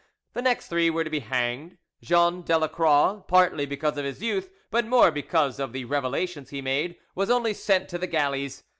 The next three were to be hanged. Jean Delacroix, partly because of his youth, but more because of the revelations he made, was only sent to the galleys.